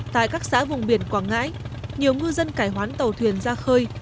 tại các xã vùng biển quảng ngãi nhiều ngư dân cải hoán tàu thuyền ra khơi